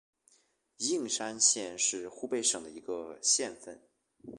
应山县是湖北省的一个县份。